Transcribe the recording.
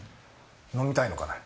飲みたいのかね？